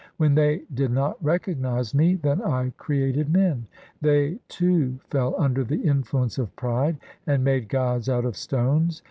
When they did not recognize Me, Then I created men. They too fell under the influence of pride, And made gods out of stones.